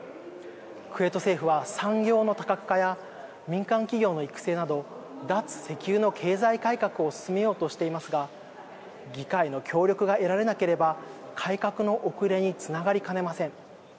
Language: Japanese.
クウェート政府は産業の多角化や民間企業の育成など脱石油の経済改革を進めようとしていますが議会の協力が得られなければ改革の遅れにつながりかねません。